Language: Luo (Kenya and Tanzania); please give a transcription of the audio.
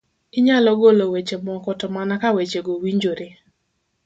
inyalo golo weche moko to mana ka wechego winjore.